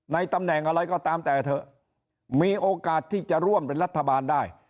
ตำแหน่งอะไรก็ตามแต่เถอะมีโอกาสที่จะร่วมเป็นรัฐบาลได้